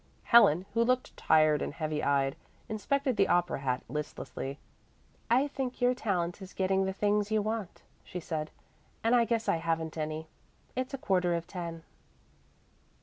Helen, who looked tired and heavy eyed, inspected the opera hat listlessly. "I think your talent is getting the things you want," she said, "and I guess I haven't any. It's quarter of ten."